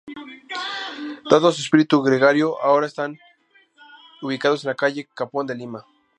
Dado a su espíritu gregario ahora están ubicados en la Calle Capón de Lima.